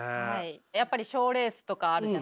やっぱり賞レースとかあるじゃないですか。